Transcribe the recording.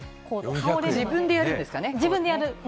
自分でやるんですかね？